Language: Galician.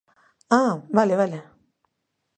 ¡Ah!, vale, vale.